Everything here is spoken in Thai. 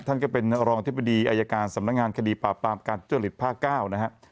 ท่านก็เป็นรองอธิบดีอายการสำนักงานคดีปราบปรามการทุจริตภาค๙นะฮะ